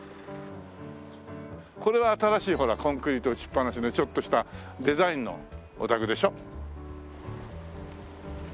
これは新しいほらコンクリート打ちっぱなしのちょっとしたデザインのお宅でしょ？